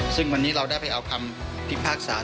ซึ่งวันนี้เราได้ไปเอาคำพิพากษา